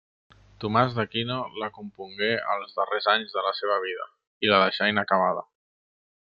Tomàs d'Aquino la compongué els darrers anys de la seva vida, i la deixà inacabada.